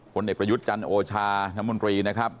เด็กประยุทธ์จันทร์โอชาน้ำมนตรีนะครับ